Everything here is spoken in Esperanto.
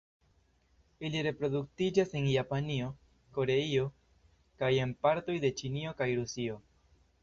Ili reproduktiĝas en Japanio, Koreio kaj en partoj de Ĉinio kaj Rusio.